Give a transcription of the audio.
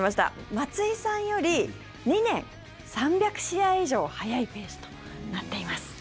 松井さんより２年、３００試合以上早いペースとなっています。